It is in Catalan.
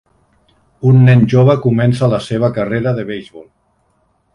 Un nen jove comença la seva carrera de beisbol